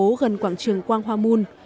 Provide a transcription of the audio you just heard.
ở một khu phố gần quảng trường quang hoa moon